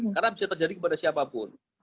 karena bisa terjadi kepada siapapun